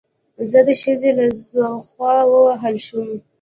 زه د ښځې له خوا ووهل شوم